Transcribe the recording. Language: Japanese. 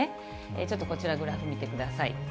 ちょっとこちら、グラフ見てください。